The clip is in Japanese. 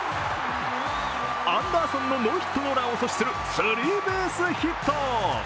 アンダーソンのノーヒットノーランを阻止するスリーベースヒット。